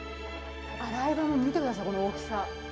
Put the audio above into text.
洗い場も見てください、この大きさ。